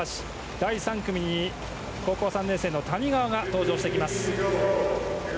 第３組に高校３年生の谷川が登場してきます。